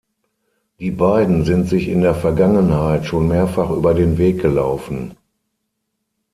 Die beiden sind sich in der Vergangenheit schon mehrfach über den Weg gelaufen.